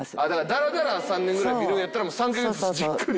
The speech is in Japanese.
だらだら３年ぐらい見るんやったら３カ月じっくり。